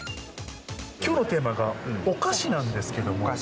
きょうのテーマが、お菓子なんですけども。